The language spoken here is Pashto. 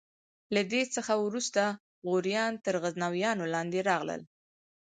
له دې څخه وروسته غوریان تر غزنویانو لاندې راغلل.